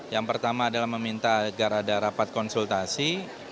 yang pertama adalah meminta agar ada rapat konsultasi